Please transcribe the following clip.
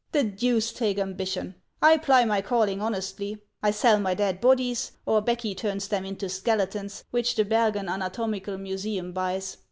The deuce take ambition ! I ply my calling honestly. I sell my dead bodies, or Becky turns them into skele tons, which the Bergen anatomical museum buys.